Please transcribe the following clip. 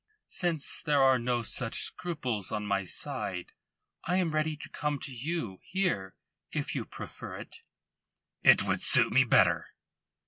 "Since there are no such scruples on my side, I am ready to come to you here if you prefer it." "It would suit me better."